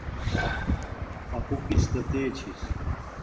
اپو کس تا تے چھس